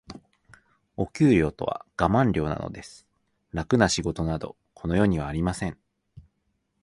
お給料とはガマン料なのです。楽な仕事など、この世にはありません。